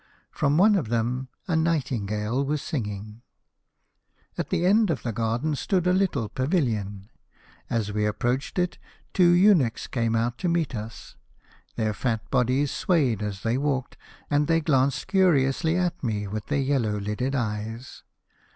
From one of them a nightingale o o was singing. " At the end of the garden stood a little pavilion. As we approached it two eunuchs came out to meet us. Their fat bodies swayed as they walked, and they glanced curiously at me with their yellow lidded eyes.